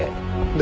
で